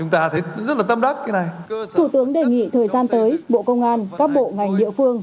thủ tướng đề nghị thời gian tới bộ công an các bộ ngành địa phương